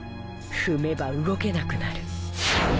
踏めば動けなくなる。